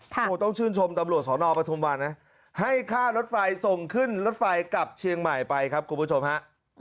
โอ้โหต้องชื่นชมตำรวจสอนอปทุมวันนะให้ค่ารถไฟส่งขึ้นรถไฟกลับเชียงใหม่ไปครับคุณผู้ชมฮะ